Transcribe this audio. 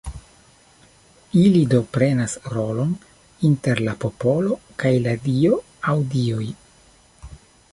Ili do prenas rolon inter la popolo kaj la Dio aŭ Dioj.